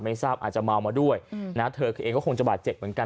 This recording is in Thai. ทราบอาจจะเมามาด้วยนะเธอคือเองก็คงจะบาดเจ็บเหมือนกัน